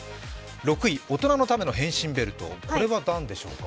６位、大人のための変身ベルト、何でしょうか。